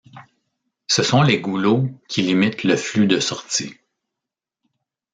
Ce sont les goulots qui limitent le flux de sortie.